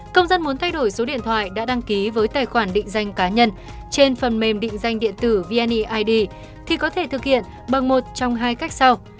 công dân muốn thay đổi số điện thoại đã đăng ký với tài khoản định danh cá nhân trên phần mềm định danh điện tử vneid thì có thể thực hiện bằng một trong hai cách sau